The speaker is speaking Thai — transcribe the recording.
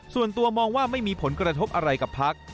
ส่วนตัวมองว่าไม่มีผลกระทบอะไรกับพัก